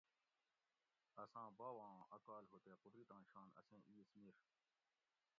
اساں باوہ آں اۤ کال ہُو تے قُدرتاں شان اسیں اِیس مِر